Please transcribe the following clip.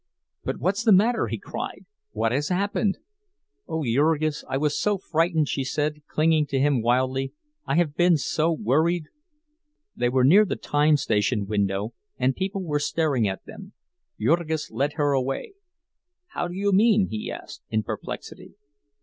"But what's the matter?" he cried. "What has happened?" "Oh, Jurgis, I was so frightened!" she said, clinging to him wildly. "I have been so worried!" They were near the time station window, and people were staring at them. Jurgis led her away. "How do you mean?" he asked, in perplexity.